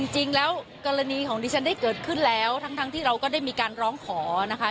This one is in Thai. จริงแล้วกรณีของดิฉันได้เกิดขึ้นแล้วทั้งที่เราก็ได้มีการร้องขอนะคะ